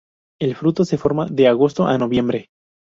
El fruto se forma de agosto a noviembre.